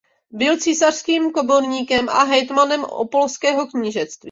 Byl císařským komorníkem a hejtmanem Opolského knížectví.